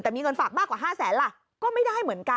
แต่มีเงินฝากมากกว่า๕แสนล่ะก็ไม่ได้เหมือนกัน